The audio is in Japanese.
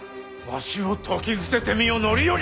わしを説き伏せてみよ範頼！